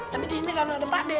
tapi di sini kan ada pak de